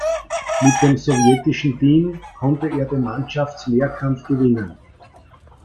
Mit dem sowjetischen Team konnte er den Mannschaftsmehrkampf gewinnen.